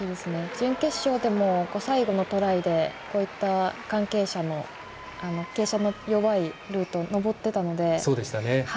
準決勝でも最後のトライでこういった緩傾斜の傾斜の弱いルート、登ってたので。